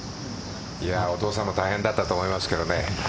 お父さんも大変だったと思いますけどね。